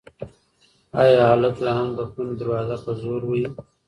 ایا هلک لا هم د خونې دروازه په زور وهي؟